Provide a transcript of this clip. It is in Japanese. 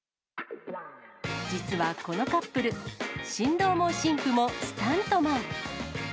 実はこのカップル、新郎も新婦もスタントマン。